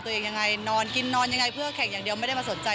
ยังไงนอนกินนอนยังไงเพื่อแข่งอย่างเดียวไม่ได้มาสนใจ